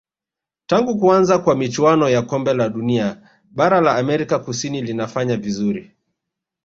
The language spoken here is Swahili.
tangu kuanza kwa michuano ya kombe la dunia bara la amerika kusini linafanya vizuri